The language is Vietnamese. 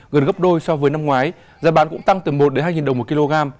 gần gấp đôi so với năm ngoái giá bán cũng tăng từ một hai đồng một kg